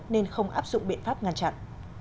nên không áp dụng biện pháp ngăn chặn